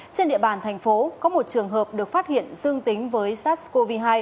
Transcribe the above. trên địa bàn thành phố có một trường hợp được phát hiện dương tính với sars cov hai